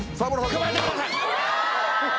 捕まえてください！